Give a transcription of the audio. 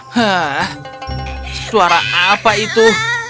hah suara apa itu